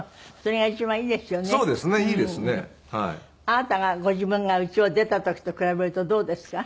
あなたがご自分が家を出た時と比べるとどうですか？